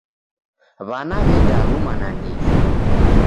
W'ana w'edaruma nandighi.